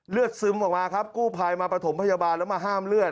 ซึมออกมาครับกู้ภัยมาประถมพยาบาลแล้วมาห้ามเลือด